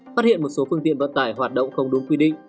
phát hiện một số phương tiện vận tải hoạt động không đúng quy định